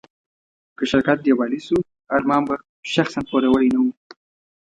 که شرکت ډيوالي شو، ارمان به شخصاً پوروړی نه و.